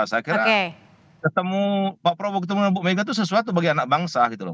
saya kira ketemu pak prabowo ketemu dengan bu mega itu sesuatu bagi anak bangsa gitu loh